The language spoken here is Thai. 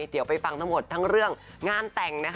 เดี๋ยวไปฟังทั้งหมดทั้งเรื่องงานแต่งนะคะ